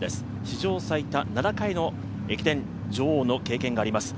史上最多７回の駅伝女王の経験があります。